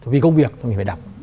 vì công việc thì mình phải đọc